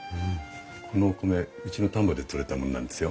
このお米うちの田んぼで採れたものなんですよ。